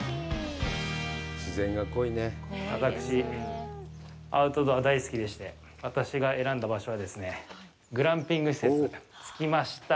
私、アウトドアが大好きでして、私が選んだ場所はですね、グランピング施設、着きました。